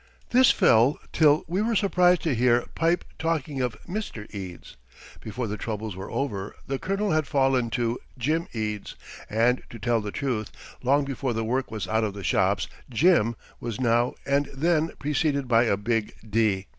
This fell till we were surprised to hear "Pipe" talking of "Mr. Eads." Before the troubles were over, the "Colonel" had fallen to "Jim Eads," and to tell the truth, long before the work was out of the shops, "Jim" was now and then preceded by a big "D."